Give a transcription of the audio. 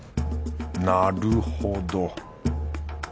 なるほど。